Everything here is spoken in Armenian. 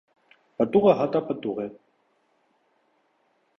Պտուղը հատապտուղ է։